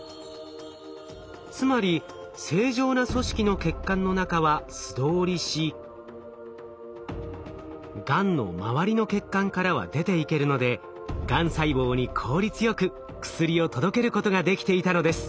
つまり正常な組織の血管の中は素通りしがんの周りの血管からは出ていけるのでがん細胞に効率よく薬を届けることができていたのです。